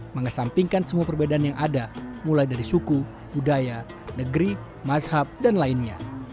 mengesampingkan semua perbedaan yang ada mulai dari suku budaya negeri mazhab dan lainnya